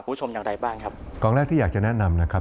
คุณผู้ชมอย่างไรบ้างครับกองแรกที่อยากจะแนะนำนะครับ